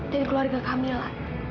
dan keluarga camilla